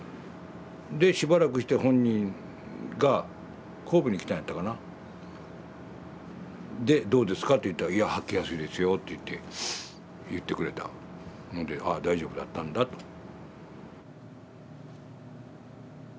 でしばらくして本人が神戸に来たんやったかな。でどうですかって言ったらいや履きやすいですよといって言ってくれたのでああ大丈夫だったんだと。